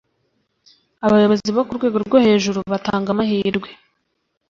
abayobozi bo ku rwego rwo hejuru batanga amahirwe